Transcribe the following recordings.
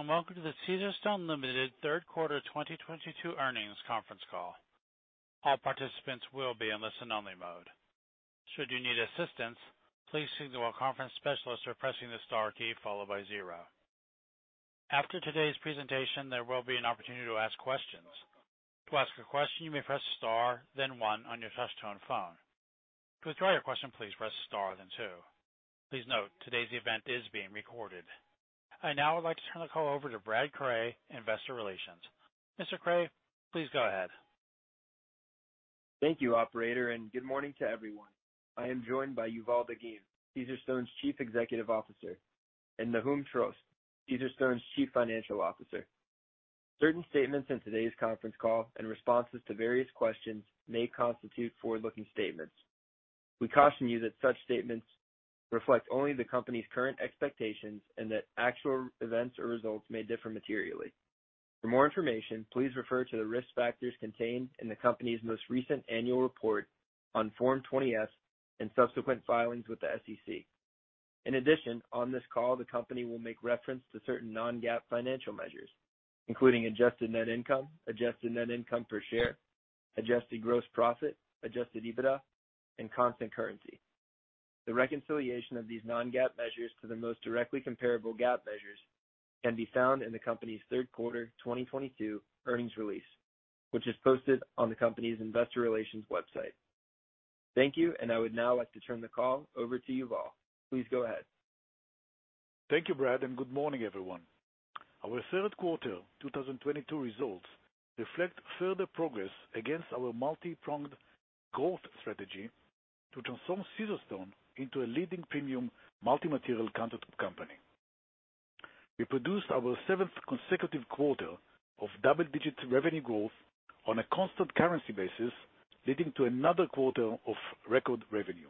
Hello, and welcome to the Caesarstone Ltd. third quarter 2022 earnings conference call. All participants will be in listen-only mode. Should you need assistance, please signal a conference specialist by pressing the star key followed by zero. After today's presentation, there will be an opportunity to ask questions. To ask a question, you may press star then one on your touch-tone phone. To withdraw your question, please press star then two. Please note, today's event is being recorded. I now would like to turn the call over to Brad Cray, Investor Relations. Mr. Cray, please go ahead. Thank you, operator, and good morning to everyone. I am joined by Yuval Dagim, Caesarstone's Chief Executive Officer, and Nahum Trost, Caesarstone's Chief Financial Officer. Certain statements in today's conference call and responses to various questions may constitute forward-looking statements. We caution you that such statements reflect only the company's current expectations and that actual events or results may differ materially. For more information, please refer to the risk factors contained in the company's most recent annual report on Form 20-F and subsequent filings with the SEC. In addition, on this call, the company will make reference to certain Non-GAAP financial measures, including adjusted net income, adjusted net income per share, adjusted gross profit, adjusted EBITDA and constant currency. The reconciliation of these Non-GAAP measures to the most directly comparable GAAP measures can be found in the company's third quarter 2022 earnings release, which is posted on the company's investor relations website. Thank you, and I would now like to turn the call over to Yuval. Please go ahead. Thank you, Brad, and good morning, everyone. Our third quarter 2022 results reflect further progress against our multi-pronged growth strategy to transform Caesarstone into a leading premium multi-material countertop company. We produced our seventh consecutive quarter of double-digit revenue growth on a constant currency basis, leading to another quarter of record revenue.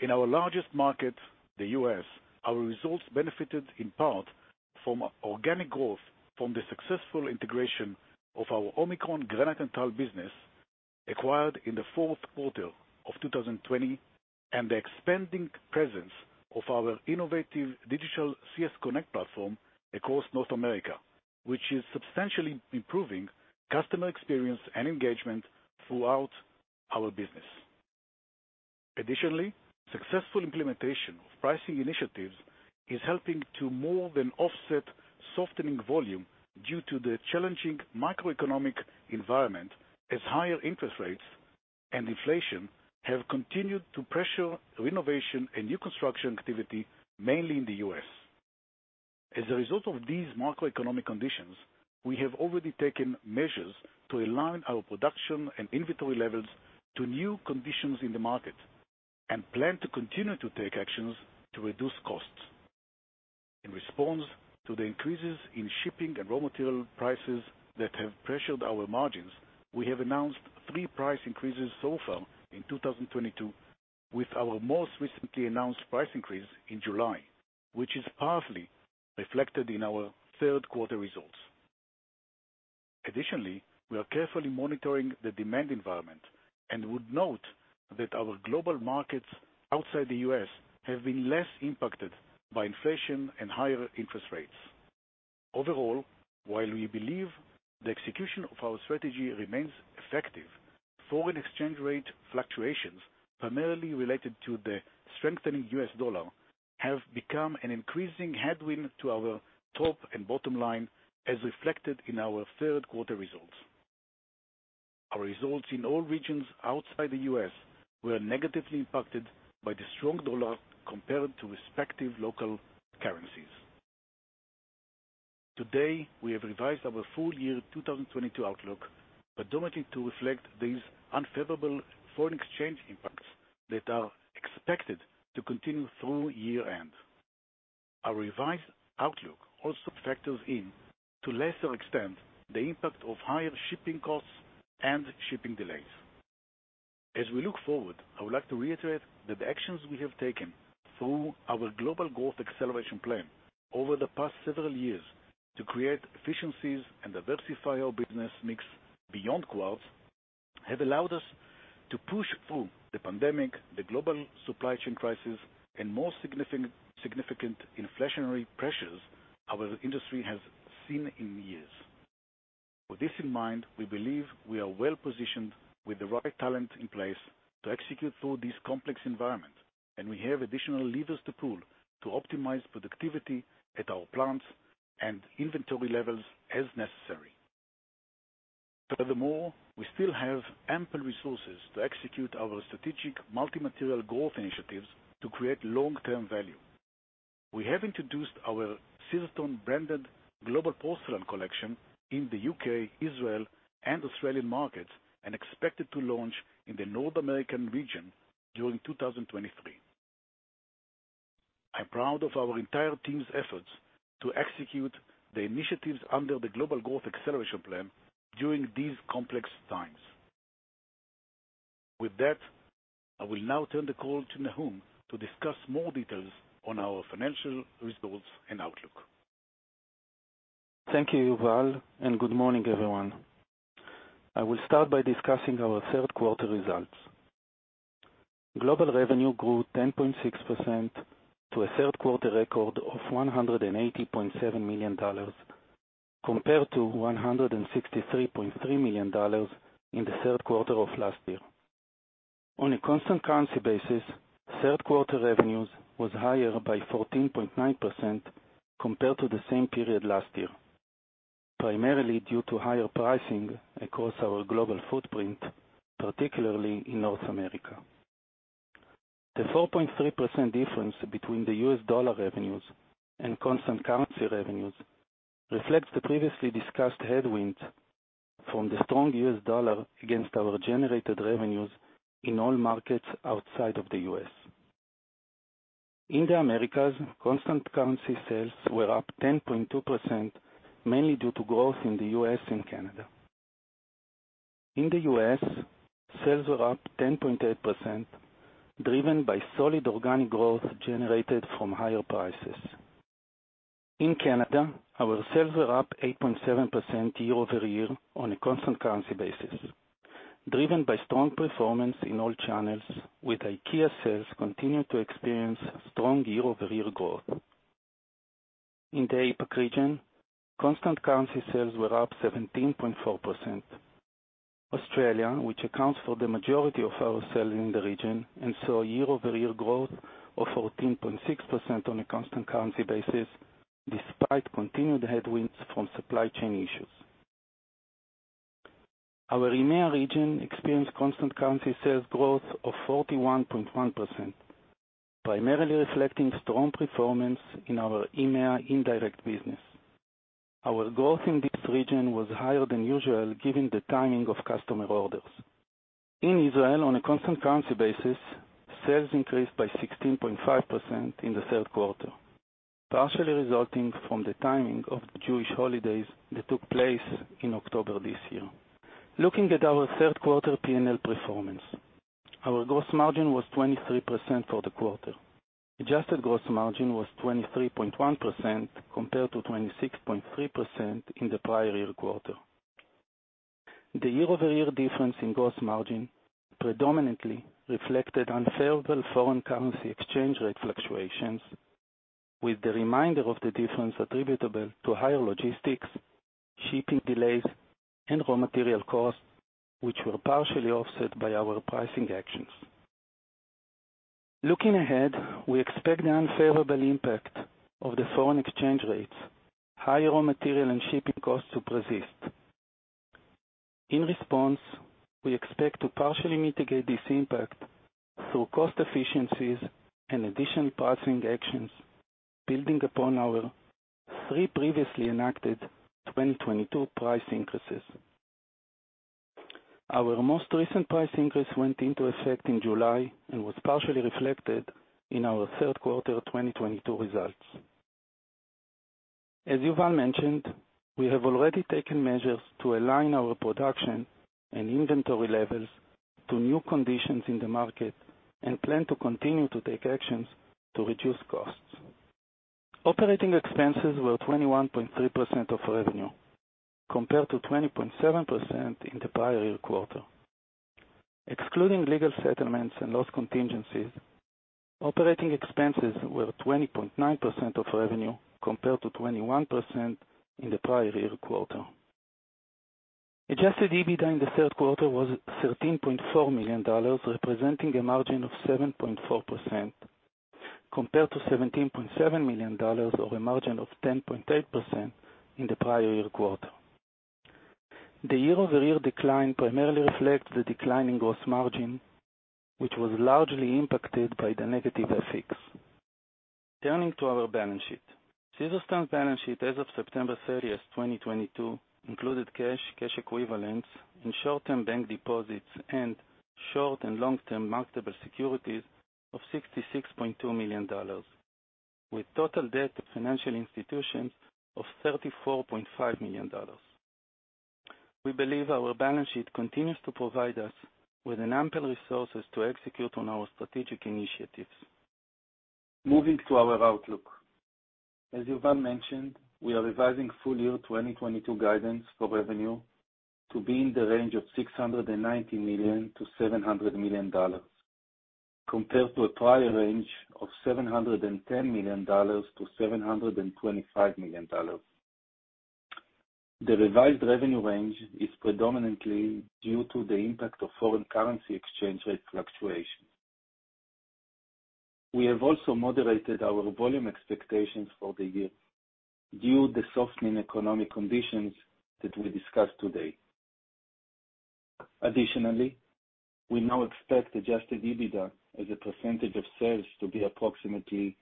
In our largest market, the U.S., our results benefited in part from organic growth from the successful integration of our Omicron Granite and Tile business acquired in the fourth quarter of 2020, and the expanding presence of our innovative digital CS Connect platform across North America, which is substantially improving customer experience and engagement throughout our business. Successful implementation of pricing initiatives is helping to more than offset softening volume due to the challenging macroeconomic environment as higher interest rates and inflation have continued to pressure renovation and new construction activity, mainly in the US. As a result of these macroeconomic conditions, we have already taken measures to align our production and inventory levels to new conditions in the market and plan to continue to take actions to reduce costs. In response to the increases in shipping and raw material prices that have pressured our margins, we have announced three price increases so far in 2022, with our most recently announced price increase in July, which is partially reflected in our third quarter results. Additionally, we are carefully monitoring the demand environment and would note that our global markets outside the US have been less impacted by inflation and higher interest rates. Overall, while we believe the execution of our strategy remains effective, foreign exchange rate fluctuations, primarily related to the strengthening U.S. dollar, have become an increasing headwind to our top and bottom line as reflected in our third quarter results. Our results in all regions outside the U.S. were negatively impacted by the strong dollar compared to respective local currencies. Today, we have revised our full year 2022 outlook, predominantly to reflect these unfavorable foreign exchange impacts that are expected to continue through year-end. Our revised outlook also factors in, to lesser extent, the impact of higher shipping costs and shipping delays. As we look forward, I would like to reiterate that the actions we have taken through our Global Growth Acceleration Plan over the past several years to create efficiencies and diversify our business mix beyond quartz have allowed us to push through the pandemic, the global supply chain crisis and more significant inflationary pressures our industry has seen in years. With this in mind, we believe we are well-positioned with the right talent in place to execute through this complex environment, and we have additional levers to pull to optimize productivity at our plants and inventory levels as necessary. Furthermore, we still have ample resources to execute our strategic multi-material growth initiatives to create long-term value. We have introduced our Caesarstone-branded global porcelain collection in the U.K., Israel and Australian markets and expect to launch in the North American region during 2023. I'm proud of our entire team's efforts to execute the initiatives under the Global Growth Acceleration Plan during these complex times. With that, I will now turn the call to Nahum to discuss more details on our financial results and outlook. Thank you, Yuval, and good morning, everyone. I will start by discussing our third quarter results. Global revenue grew 10.6% to a third quarter record of $180.7 million, compared to $163.3 million in the third quarter of last year. On a constant currency basis, third quarter revenues was higher by 14.9% compared to the same period last year, primarily due to higher pricing across our global footprint, particularly in North America. The 4.3% difference between the U.S. dollar revenues and constant currency revenues reflects the previously discussed headwinds from the strong U.S. dollar against our generated revenues in all markets outside of the U.S., In the Americas, constant currency sales were up 10.2%, mainly due to growth in the U.S. and Canada. In the U,S., sales were up 10.8%, driven by solid organic growth generated from higher prices. In Canada, our sales were up 8.7% year-over-year on a constant currency basis, driven by strong performance in all channels, with IKEA sales continuing to experience strong year-over-year growth. In the APAC region, constant currency sales were up 17.4%. Australia, which accounts for the majority of our sales in the region, and saw a year-over-year growth of 14.6% on a constant currency basis, despite continued headwinds from supply chain issues. Our EMEA region experienced constant currency sales growth of 41.1%, primarily reflecting strong performance in our EMEA indirect business. Our growth in this region was higher than usual, given the timing of customer orders. In Israel, on a constant currency basis, sales increased by 16.5% in the third quarter, partially resulting from the timing of the Jewish holidays that took place in October this year. Looking at our third quarter PNL performance, our gross margin was 23% for the quarter. Adjusted gross margin was 23.1% compared to 26.3% in the prior year quarter. The year-over-year difference in gross margin predominantly reflected unfavorable foreign currency exchange rate fluctuations, with the remainder of the difference attributable to higher logistics, shipping delays and raw material costs, which were partially offset by our pricing actions. Looking ahead, we expect the unfavorable impact of the foreign exchange rates, high raw material and shipping costs to persist. In response, we expect to partially mitigate this impact through cost efficiencies and additional pricing actions, building upon our three previously enacted 2022 price increases. Our most recent price increase went into effect in July and was partially reflected in our third quarter of 2022 results. As Yuval mentioned, we have already taken measures to align our production and inventory levels to new conditions in the market and plan to continue to take actions to reduce costs. Operating expenses were 21.3% of revenue, compared to 20.7% in the prior year quarter. Excluding legal settlements and loss contingencies, operating expenses were 20.9% of revenue, compared to 21% in the prior year quarter. Adjusted EBITDA in the third quarter was $13.4 million, representing a margin of 7.4%, compared to $17.7 million or a margin of 10.8% in the prior year quarter. The year-over-year decline primarily reflects the decline in gross margin, which was largely impacted by the negative FX. Turning to our balance sheet. Caesarstone's balance sheet as of September 30, 2022, included cash equivalents, and short-term bank deposits and short- and long-term marketable securities of $66.2 million, with total debt to financial institutions of $34.5 million. We believe our balance sheet continues to provide us with ample resources to execute on our strategic initiatives. Moving to our outlook. As Yuval mentioned, we are revising full year 2022 guidance for revenue to be in the range of $690 million-$700 million, compared to a prior range of $710 million-$725 million. The revised revenue range is predominantly due to the impact of foreign currency exchange rate fluctuations. We have also moderated our volume expectations for the year due to the softening economic conditions that we discussed today. Additionally, we now expect adjusted EBITDA as a percentage of sales to be approximately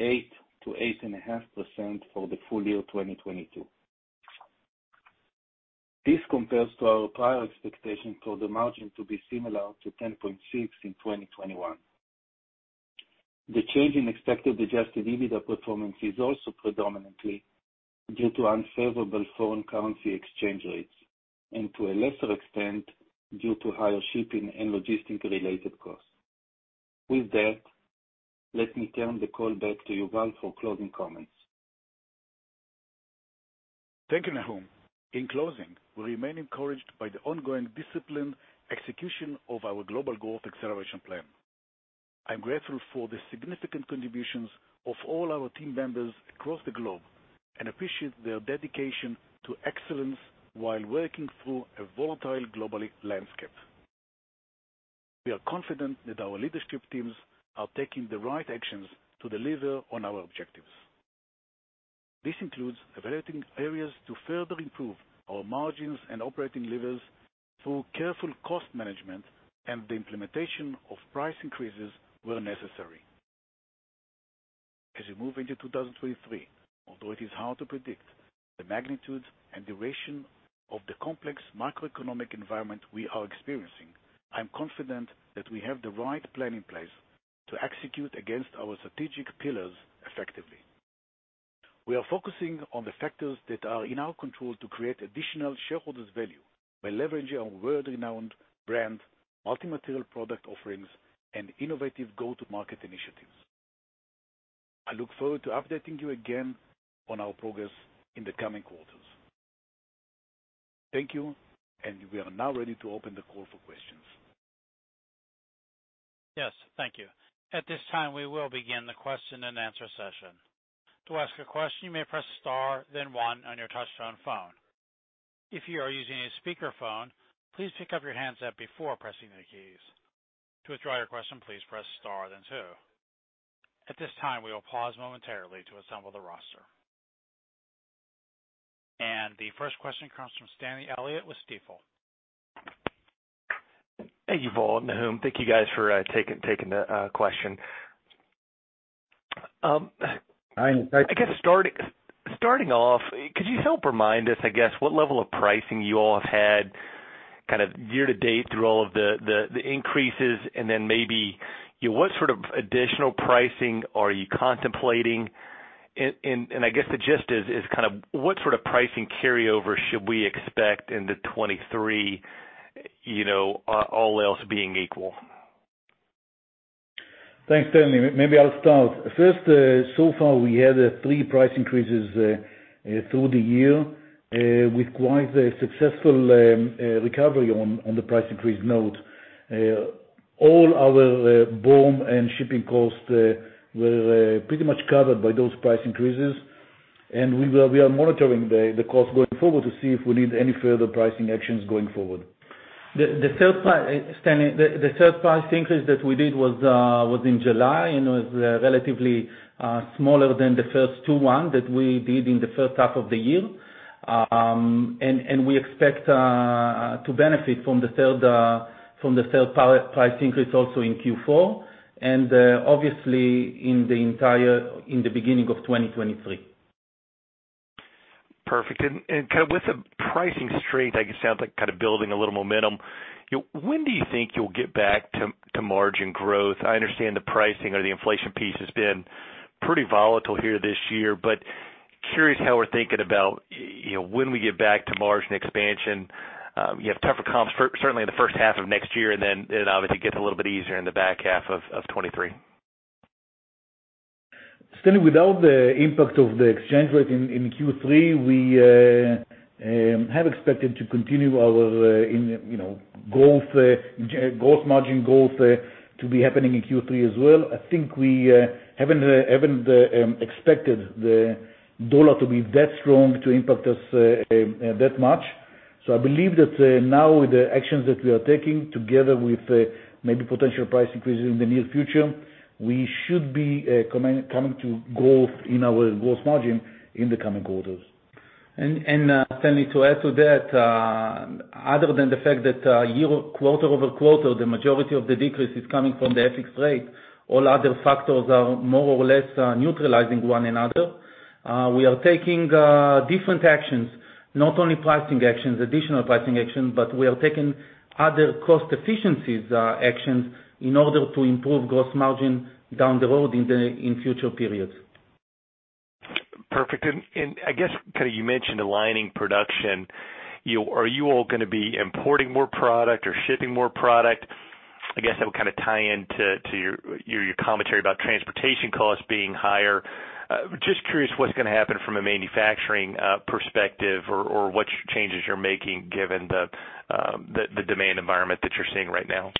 8%-8.5% for the full year 2022. This compares to our prior expectation for the margin to be similar to 10.6% in 2021. The change in expected adjusted EBITDA performance is also predominantly due to unfavorable foreign currency exchange rates and to a lesser extent, due to higher shipping and logistics-related costs. With that, let me turn the call back to Yuval for closing comments. Thank you, Nahum. In closing, we remain encouraged by the ongoing disciplined execution of our Global Growth Acceleration Plan. I'm grateful for the significant contributions of all our team members across the globe, and appreciate their dedication to excellence while working through a volatile global landscape. We are confident that our leadership teams are taking the right actions to deliver on our objectives. This includes evaluating areas to further improve our margins and operating levers through careful cost management and the implementation of price increases where necessary. As we move into 2023, although it is hard to predict the magnitude and duration of the complex macroeconomic environment we are experiencing, I'm confident that we have the right plan in place to execute against our strategic pillars effectively. We are focusing on the factors that are in our control to create additional shareholder value by leveraging our world-renowned brand, multi-material product offerings, and innovative go-to-market initiatives. I look forward to updating you again on our progress in the coming quarters. Thank you, and we are now ready to open the call for questions. Yes, thank you. At this time, we will begin the question and answer session. To ask a question, you may press star then one on your touchtone phone. If you are using a speakerphone, please pick up your handset before pressing the keys. To withdraw your question, please press star then two. At this time, we will pause momentarily to assemble the roster. The first question comes from Stanley Elliott with Stifel. Thank you, Paul. Nahum, thank you guys for taking the question. I'm- Starting off, could you help remind us, I guess, what level of pricing you all have had kind of year to date through all of the increases, and then maybe, you know, what sort of additional pricing are you contemplating? I guess the gist is kind of what sort of pricing carryover should we expect into 2023, you know, all else being equal? Thanks, Stanley. Maybe I'll start. First, so far, we had three price increases through the year with quite a successful recovery on the price increase note. All our BOM and shipping costs were pretty much covered by those price increases, and we are monitoring the cost going forward to see if we need any further pricing actions going forward. The third price increase, Stanley, that we did was in July and was relatively smaller than the first two ones that we did in the first half of the year. We expect to benefit from the third price increase also in Q4, obviously in the beginning of 2023. Perfect. With the pricing strength, I guess, sounds like kind of building a little momentum, you know, when do you think you'll get back to margin growth? I understand the pricing or the inflation piece has been pretty volatile here this year, but curious how we're thinking about, you know, when we get back to margin expansion. You have tougher comps certainly in the first half of next year, and then it obviously gets a little bit easier in the back half of 2023. Stanley, without the impact of the exchange rate in Q3, we had expected to continue our, you know, gross margin growth to be happening in Q3 as well. I think we haven't expected the dollar to be that strong to impact us that much. I believe that now with the actions that we are taking together with maybe potential price increases in the near future, we should be coming to growth in our gross margin in the coming quarters. Stanley, to add to that, other than the fact that, year-over-year, quarter-over-quarter, the majority of the decrease is coming from the FX rate, all other factors are more or less neutralizing one another. We are taking different actions, not only pricing actions, additional pricing action, but we are taking other cost efficiencies actions in order to improve gross margin down the road in future periods. Perfect. I guess kind of you mentioned aligning production. You know, are you all gonna be importing more product or shipping more product? I guess that would kind of tie into your commentary about transportation costs being higher. Just curious what's gonna happen from a manufacturing perspective or what changes you're making given the demand environment that you're seeing right now.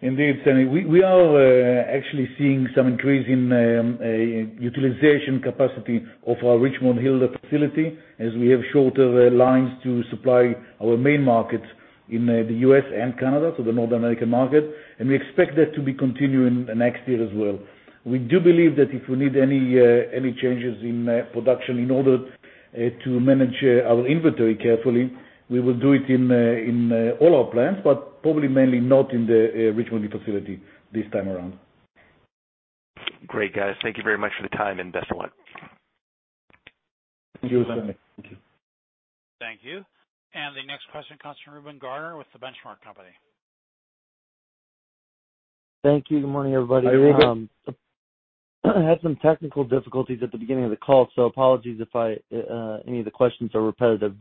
Indeed, Stanley. We are actually seeing some increase in utilization capacity of our Richmond Hill facility as we have shorter lines to supply our main markets in the U.S. and Canada, so the North American market. We expect that to be continuing next year as well. We do believe that if we need any changes in production in order to manage our inventory carefully, we will do it in all our plants, but probably mainly not in the Richmond Hill facility this time around. Great, guys. Thank you very much for the time, and best of luck. Thank you, Stanley. Thank you. Thank you. The next question comes from Reuben Garner with The Benchmark Company. Thank you. Good morning, everybody. Hi, Reuben. Had some technical difficulties at the beginning of the call, so apologies if any of the questions are repetitive.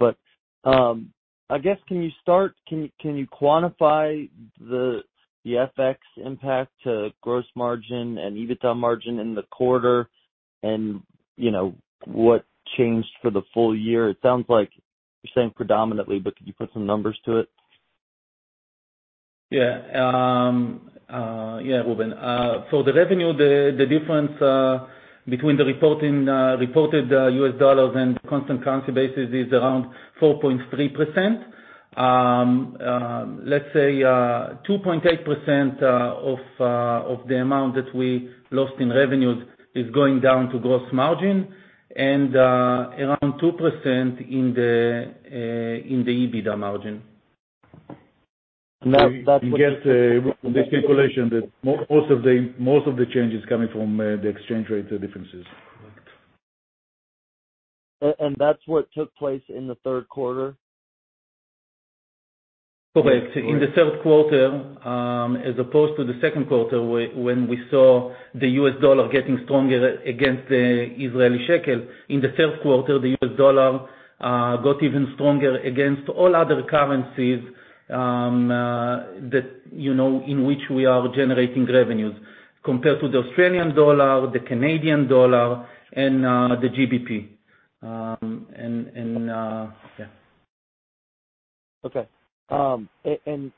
I guess, can you quantify the FX impact to gross margin and EBITDA margin in the quarter and, you know, what changed for the full year? It sounds like you're saying predominantly, but could you put some numbers to it? Reuben. The revenue, the difference between the reported U.S. dollars and constant currency basis is around 4.3%. Let's say, 2.8% of the amount that we lost in revenues is going down to gross margin and around 2% in the EBITDA margin. That's what. You get the calculation that most of the change is coming from the exchange rate differences. That's what took place in the third quarter? Correct. In the third quarter, as opposed to the second quarter when we saw the U.S. dollar getting stronger against the Israeli shekel, in the third quarter, the US dollar got even stronger against all other currencies that you know in which we are generating revenues compared to the Australian dollar, the Canadian dollar and the GBP. And yeah. Okay, can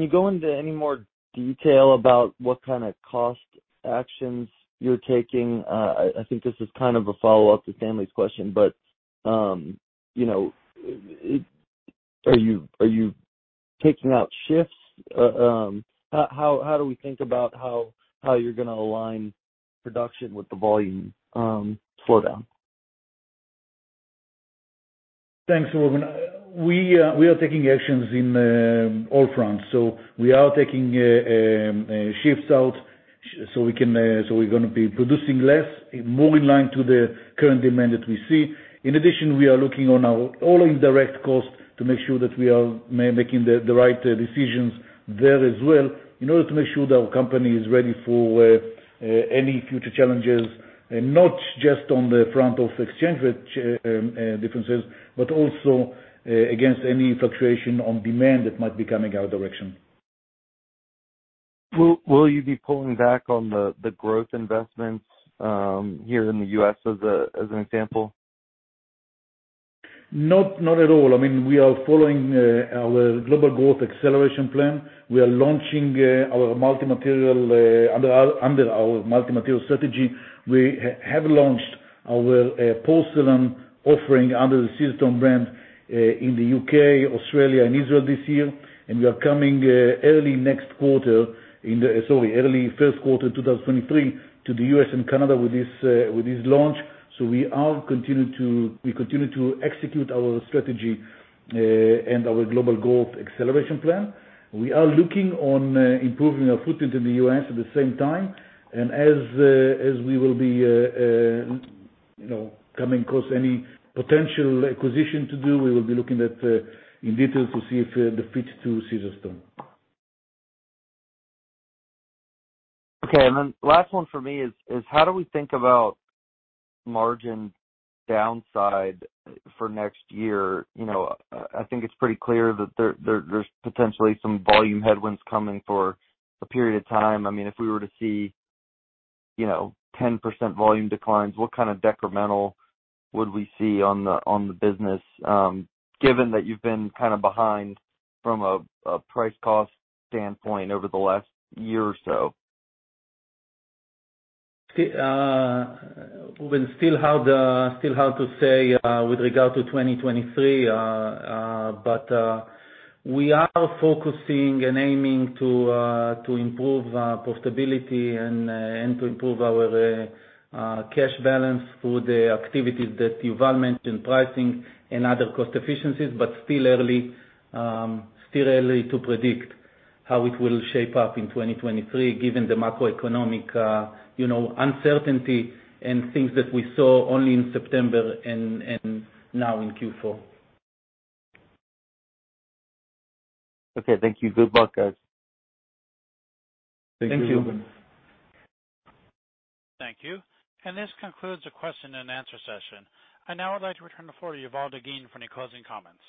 you go into any more detail about what kind of cost actions you're taking? I think this is kind of a follow-up to Stanley's question, but you know, are you taking out shifts? How do we think about how you're gonna align production with the volume slowdown? Thanks, Reuben. We are taking actions in all fronts. We are taking shifts out so we're gonna be producing less, more in line with the current demand that we see. In addition, we are looking at all our indirect costs to make sure that we are making the right decisions there as well in order to make sure that our company is ready for any future challenges, and not just on the front of exchange rate changes, but also against any fluctuation in demand that might be coming our direction. Will, you be pulling back on the growth investments here in the U.S. as an example? Not at all. I mean, we are following our Global Growth Acceleration Plan. We are launching our multi-material under our multi-material strategy. We have launched our porcelain offering under the Caesarstone brand in the UK, Australia and Israel this year. We are coming early first quarter 2023 to the US and Canada with this launch. We continue to execute our strategy and our Global Growth Acceleration Plan. We are looking on improving our footprint in the U.S. at the same time. As we will be, you know, coming across any potential acquisition to do, we will be looking at in detail to see if the fit to Caesarstone. Okay. Last one for me is how do we think about margin downside for next year? You know, I think it's pretty clear that there's potentially some volume headwinds coming for a period of time. I mean, if we were to see, you know, 10% volume declines, what kind of decremental would we see on the business, given that you've been kind of behind from a price cost standpoint over the last year or so? Reuben, still hard to say with regard to 2023, but we are focusing and aiming to improve profitability and to improve our cash balance through the activities that Yuval mentioned, pricing and other cost efficiencies. Still early to predict how it will shape up in 2023, given the macroeconomic you know uncertainty and things that we saw only in September and now in Q4. Okay. Thank you. Good luck, guys. Thank you. Thank you. Thank you. This concludes the question and answer session. I now would like to return the floor to Yuval Dagim for any closing comments.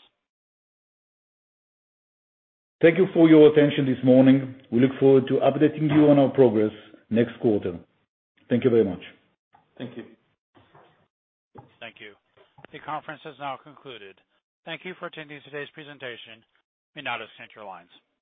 Thank you for your attention this morning. We look forward to updating you on our progress next quarter. Thank you very much. Thank you. Thank you. The conference has now concluded. Thank you for attending today's presentation and now disconnect your lines.